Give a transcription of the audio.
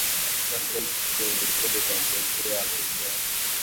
Paka siagi kwenye chombo cha kuokea keki yako